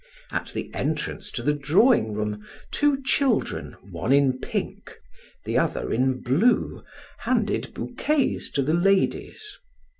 At the entrance to the drawing room, two children, one in pink, the other in blue, handed bouquets to the ladies.